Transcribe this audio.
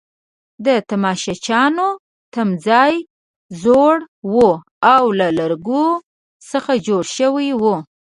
د تماشچیانو تمځای زوړ وو او له لرګو څخه جوړ شوی وو.